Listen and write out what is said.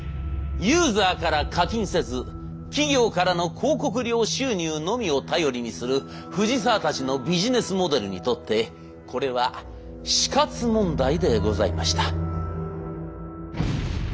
ユーザーから課金せず企業からの広告料収入のみを頼りにする藤沢たちのビジネスモデルにとってこれは死活問題でございました。